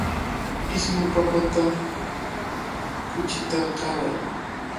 Ismu papata kuchita qaray.